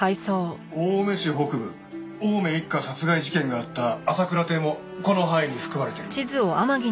青梅市北部青梅一家殺害事件があった浅倉邸もこの範囲に含まれてる。